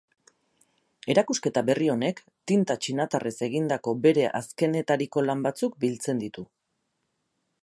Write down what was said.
Erakusketa berri honek, tinta txinatarrez egindako bere azkenetariko lan batzuk biltzen ditu.